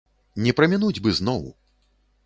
Не прамінуць бы зноў.